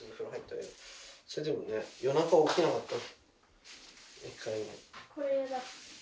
それでもね夜中起きなかった。